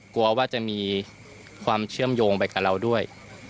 กลัวว่าจะมีความเชื่อมโยงไปกับเราด้วย